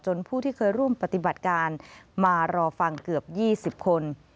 ผู้ที่เคยร่วมปฏิบัติการมารอฟังเกือบ๒๐คน